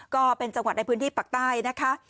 ก็เป็นจังหวัดในพื้นที่ปากใต้นะคะ